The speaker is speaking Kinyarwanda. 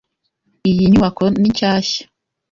Iyi nyubako ni shyashya.